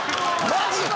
マジで？